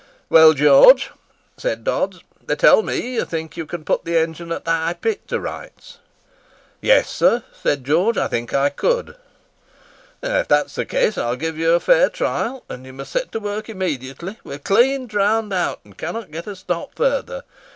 "Well, George," said Dodds, "they tell me that you think you can put the engine at the High Pit to rights." "Yes, sir," said George. "I think I could." "If that's the case, I'll give you a fair trial, and you must set to work immediately. We are clean drowned out, and cannot get a stop further.